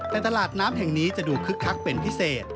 แต่ตลาดน้ำแห่งนี้จะดูคึกคักเป็นพิเศษ